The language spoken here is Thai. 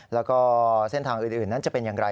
แล้วก็เส้นทางอื่นนั้นจะเป็นอย่างไร